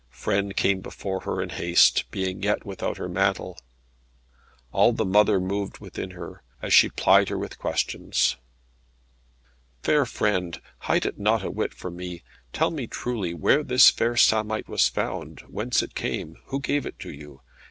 Frêne came before her in haste, being yet without her mantle. All the mother moved within her, as she plied her with questions. "Fair friend, hide it not a whit from me. Tell me truly where this fair samite was found; whence came it; who gave it to you?